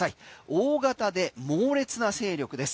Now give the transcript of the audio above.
大型で猛烈な勢力です。